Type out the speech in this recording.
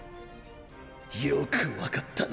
よく分かったな。